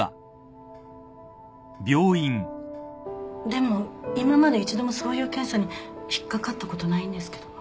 でも今まで一度もそういう検査に引っかかったことないんですけども。